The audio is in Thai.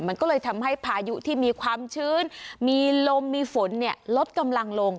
มันก็เลยทำให้พายุที่มีความชื้นมีลมมีฝนลดกำลังลง